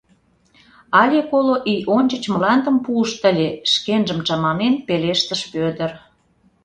— Але коло ий ончыч мландым пуышт ыле! — шкенжым чаманен пелештыш Вӧдыр.